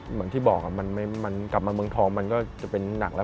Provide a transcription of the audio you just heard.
อย่างที่บอกมันกลับมาเมืองทองมันก็จะเป็นหนักแล้ว